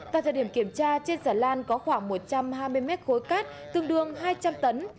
tại thời điểm kiểm tra trên xà lan có khoảng một trăm hai mươi mét khối cát tương đương hai trăm linh tấn